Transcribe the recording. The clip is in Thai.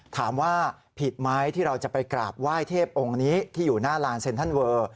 ถามว่าผิดไหมที่เราจะไปกราบไหว้เทพองค์นี้ที่อยู่หน้าลานเซ็นทรัลเวอร์